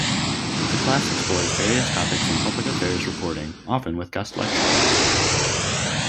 The class explores various topics in public affairs reporting, often with guest lecturers.